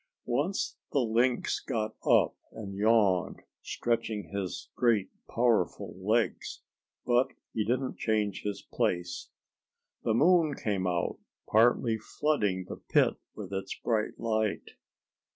Once the Lynx got up and yawned, stretching his great, powerful legs, but he didn't change his place. The moon came out, partly flooding the pit with its bright light.